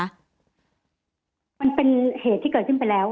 มันเป็นเหตุที่เกิดขึ้นไปแล้ว